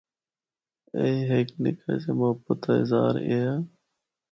ایہہ ہک نکا جا محبت دا اظہار ایہا۔